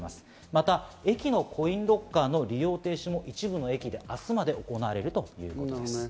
また駅のコインロッカーの利用停止も一部の駅で明日まで行われるといいます。